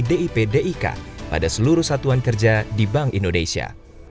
dan juga di dalam rangka edukasi dip dik pada seluruh satuan kerja di bank indonesia